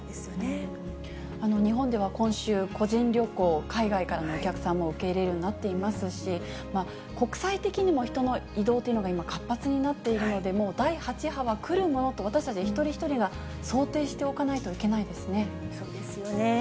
日本では今週、個人旅行、海外からのお客さんも受け入れるようになっていますし、国際的にも人の移動というのが今、活発になっているので、もう第８波は来るものと、私たち一人一人が想定しておかないといそうですよね。